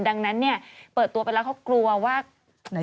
ดังนั้นเนี่ยเปิดตัวไปแล้วเขากลัวว่า